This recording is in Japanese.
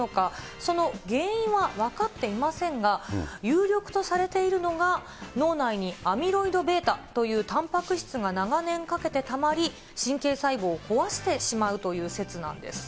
その原因は分かっていませんが、有力とされているのが、脳内にアミロイドβというたんぱく質が長年かけてたまり、神経細胞を壊してしまうという説なんです。